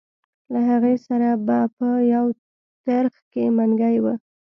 له هغې سره به په یو ترخ کې منګی و.